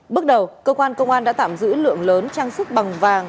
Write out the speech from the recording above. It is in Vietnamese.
bước đầu công an đã tạm giữ lượng lớn trang sức bằng vàng